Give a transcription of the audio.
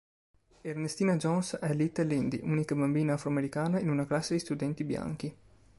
Ernestina Jones è "Little Lindy", unica bambina afroamericana in una classe di studenti bianchi.